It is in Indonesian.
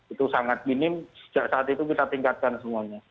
itu sangat minim sejak saat itu kita tingkatkan semuanya